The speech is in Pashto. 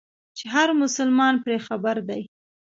چې هر مسلمان پرې خبر دی.